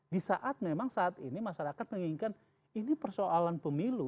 di saat memang saat ini masyarakat menginginkan ini persoalan pemilu